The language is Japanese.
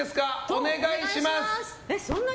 お願いします。